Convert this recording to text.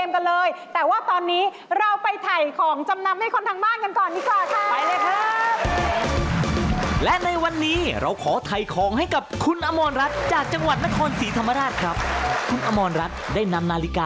เพราะว่าเราจะจับมาเล่นเกมกันเลย